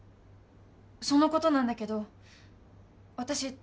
そのことなんだけど私